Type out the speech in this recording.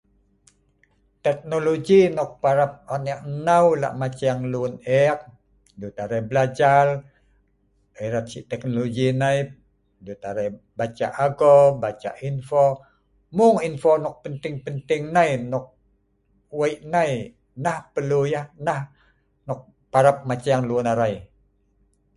Teknologi nok parap on ek nnau lah' maceng lun ek, dut arai belajal erat si tehnologi nai dut arai baca ago, baca info, mung info nok penting penting nai nok wei' nai nah pelu yah nah nok parap maceng lun arai.